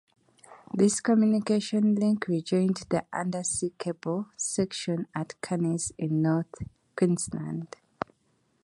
This communication link rejoined the undersea cable section at Cairns in north Queensland.